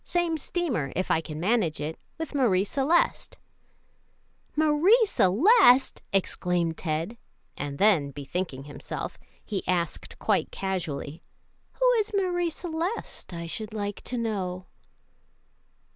Same steamer, if I can manage it, with Marie Celeste." "Marie Celeste!" exclaimed Ted; and then, bethinking himself, he asked quite casually, "Who is Marie Celeste, I should like to know?"